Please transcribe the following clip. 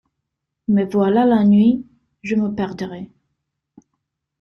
Mais voilà la nuit, je me perdrai.